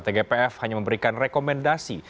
tgpf hanya memberikan rekomendasi